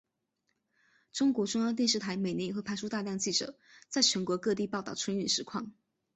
中国中央电视台每年也会派出大量记者在全国各地报道春运实况。